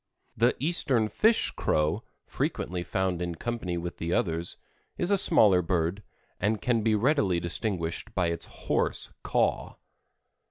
The eastern fish crow, frequently found in company with the others, is a smaller bird, and can readily be distinguished by its hoarse caw.